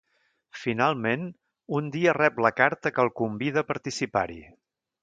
Finalment, un dia rep la carta que el convida a participar-hi.